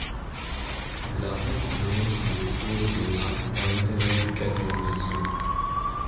La route longe le cours de la ' à l'intérieur du canyon de Zion.